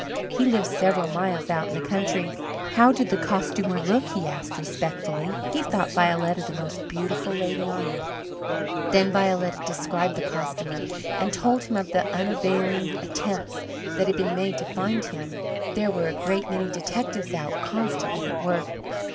He lived several miles out in the country. "How did the Costumer look?" he asked respectfully; he thought Violetta the most beautiful lady on earth. Then Violetta described the Costumer, and told him of the unavailing attempts that had been made to find him. There were a great many detectives out, constantly at work.